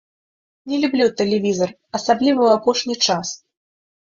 Не люблю тэлевізар, асабліва ў апошні час.